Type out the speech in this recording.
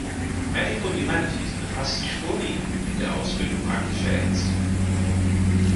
Medical Humanities befasst sich vorwiegend mit der Ausbildung praktischer Ärzte.